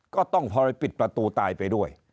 ก็ต้องพอปิดประตูตายไปด้วย